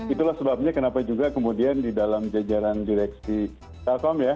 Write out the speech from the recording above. itulah sebabnya kenapa juga kemudian di dalam jajaran direksi telkom ya